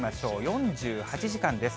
４８時間です。